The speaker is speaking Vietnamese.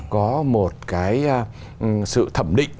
có một cái sự thẩm định